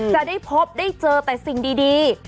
จะได้พบได้เจอแต่สิ่งดี